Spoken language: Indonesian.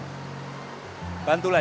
kejahatan yang baik